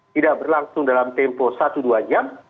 tidak berlangsung dalam tempo satu dua jam